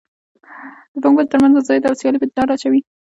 د پانګوالو تر مینځ مزایده او سیالي په لاره اچوي.